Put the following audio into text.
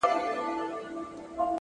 د نیت پاکوالی د لارې وضاحت زیاتوي!